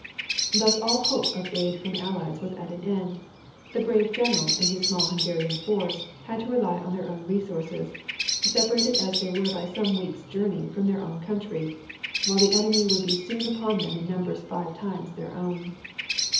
Thus all hope of aid from allies was at an end, the brave general and his small Hungarian force had to rely on their own resources, separated as they were by some weeks' journey from their own country, while the enemy would be soon upon them in numbers five times their own.